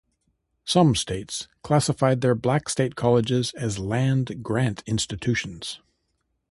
Some states classified their black state colleges as land grant institutions.